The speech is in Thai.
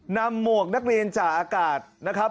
หมวกนักเรียนจ่าอากาศนะครับ